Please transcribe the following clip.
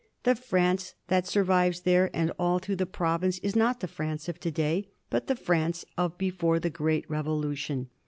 The France that survives there and all through the province is not the France of to day, but the France of before the great Revolution.